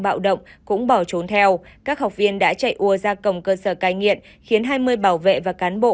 bạo động cũng bỏ trốn theo các học viên đã chạy đua ra cổng cơ sở cai nghiện khiến hai mươi bảo vệ và cán bộ